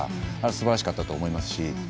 すばらしかったと思いますし。